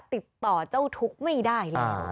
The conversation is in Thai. ติดต่อเจ้าทุกข์ไม่ได้เลย